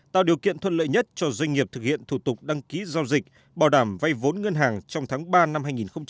tạo điều kiện thuận lợi nhất cho doanh nghiệp thực hiện thủ tục đăng ký giao dịch bảo đảm vay vốn ngân hàng trong tháng ba năm hai nghìn hai mươi